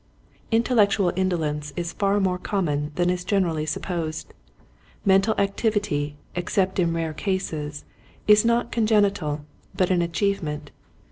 Intellectual indolence is far more common than is generally sup posed. Mental activity, except in rare cases, is not congenital, but an achieve ment.